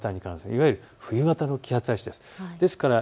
いわゆる冬型の気圧配置です。